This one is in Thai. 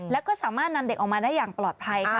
แล้วก็สามารถนำเด็กออกมาได้อย่างปลอดภัยค่ะ